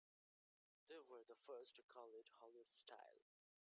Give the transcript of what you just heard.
They were the first to call it "Hollywood Style".